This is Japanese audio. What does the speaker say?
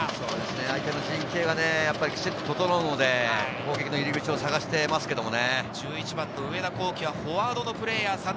相手の陣形がきちっと整うので攻撃の入り口を探してますけどね。